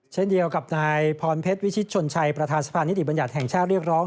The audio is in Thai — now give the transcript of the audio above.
เช่นเดียวกับนายพเวชิชชนชัยประทานศรภาณนิสติบรรยาตรแห่งชาติเรียกร้อง